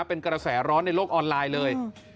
เป็นกระแสร้อนในโลกออนไลน์เลย